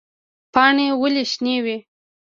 پاڼې ولې شنې وي؟